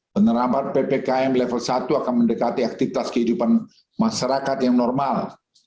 penerapan ppkm level satu akan mendekati aktivitas kehidupan masyarakat yang normal